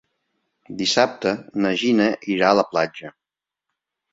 Dissabte na Gina irà a la platja.